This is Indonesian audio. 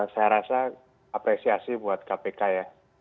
saya rasa apresiasi buat kpk ya